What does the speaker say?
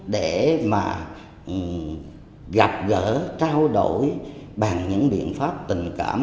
để mà gặp gỡ trao đổi bằng những biện pháp tình cảm cảm hóa